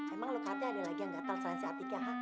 emang lo katanya ada lagi yang gatel selain si atike ha